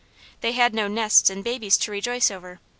They had no nests and babies to rejoice over.